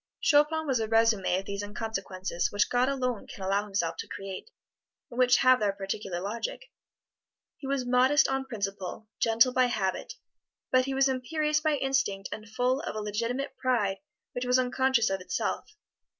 Chopin was a resume of these inconsequences which God alone can allow Himself to create, and which have their particular logic. He was modest on principle, gentle by habit, but he was imperious by instinct and full of a legitimate pride which was unconscious of itself.